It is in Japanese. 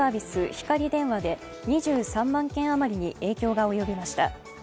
ひかり電話で２３万県あまりに影響が及びました。